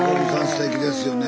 すてきですよね。